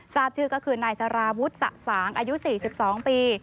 ทราบชื่อก็คือนายสารวุฒิสะสางอายุ๔๒ปี